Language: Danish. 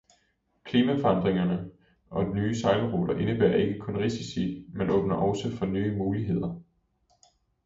Klimaforandringerne og nye sejlruter indebærer ikke kun risici, men åbner også nye muligheder.